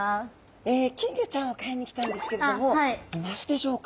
金魚ちゃんを買いに来たんですけれどもいますでしょうか。